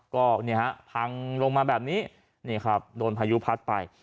ก็เนี่ยฮะพังลงมาแบบนี้นี่ครับโดนพายุพัดไป